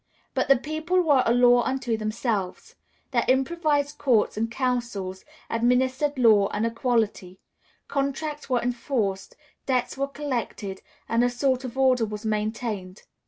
But the people were a law unto themselves. Their improvised courts and councils administered law and equity; contracts were enforced, debts were collected, and a sort of order was maintained.